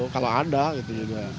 kalau ada gitu